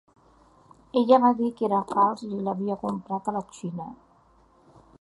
Ella va dir que era fals i l’havia comprat a la Xina.